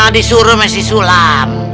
disuruh sama si sulam